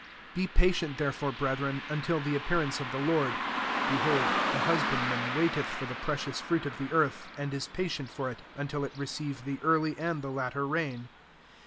7 Be patient therefore, breth ren, until the appearance of the Lord. Behold, the husbandmaif waiteth for the precious fruit of the earth, and is patient for it, until it receive the early and the latter rain.